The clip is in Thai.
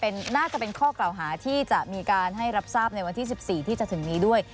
น่าจะเป็นข้อกล่าวหาที่จะมีการให้รับทราบในวันที่๑๔ที่จะถึงนี้ด้วย